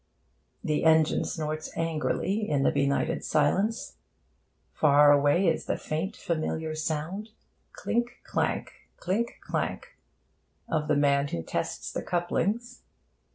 The engine snorts angrily in the benighted silence. Far away is the faint, familiar sound clink clank, clink clank of the man who tests the couplings.